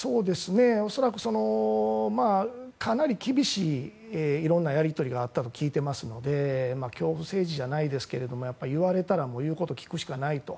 恐らく、かなり厳しいいろんなやり取りがあったと聞いていますので恐怖政治じゃないですけど言われたら言うこと聞くしかないと。